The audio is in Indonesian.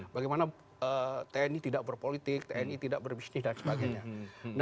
bagaimana tni tidak berpolitik tni tidak berbisnis dan sebagainya